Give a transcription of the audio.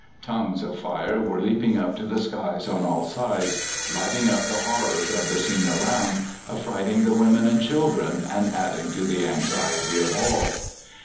Tongues of fire were leaping up to the skies on all sides, lighting up the horrors of the scene around, affrighting the women and children, and adding to the anxiety of all.